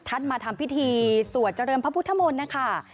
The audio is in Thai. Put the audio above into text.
ท่านมาทำพิธีสวดเจริญพระพุทธมนต์นะคะ